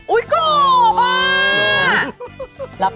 อุ๊ยกรอบอ่ะ